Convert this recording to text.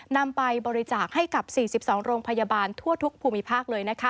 นำไปบริจาคให้กับ๔๒โรงพยาบาลทั่วทุกภูมิภาคเลย